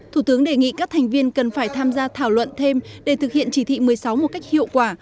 thủ tướng đề nghị các thành viên cần phải tham gia thảo luận thêm để thực hiện chỉ thị một mươi sáu một cách hiệu quả